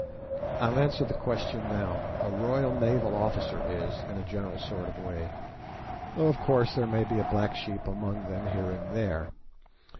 I'll answer the question now: A Royal Naval officer is, in a general sort of way, though of course there may be a black sheep among them here and there.